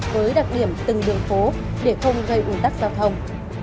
với đặc điểm từng đường phố để không gây ủn tắc giao thông